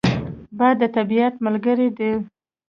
باد د طبیعت ملګری دی